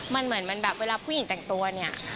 มันเหมือนเวลาผู้หญิงแต่งตัวนี่